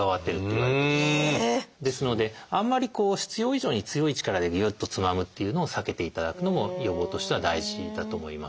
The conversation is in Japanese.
ですのであんまり必要以上に強い力でぎゅっとつまむっていうのを避けていただくのも予防としては大事だと思います。